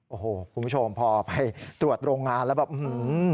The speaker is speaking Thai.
โอ้โหคุณผู้ชมพอไปตรวจโรงงานแล้วแบบอื้อหือ